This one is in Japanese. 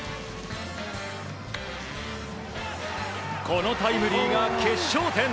このタイムリーが決勝点。